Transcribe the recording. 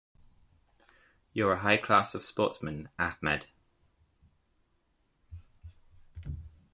You're a high class of sportsman, Ahmed.